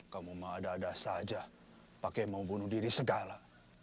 kamu mengada ada saja pakai mau bunuh diri segala